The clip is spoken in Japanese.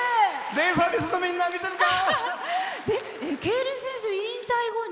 デイサービスのみんな見てるか！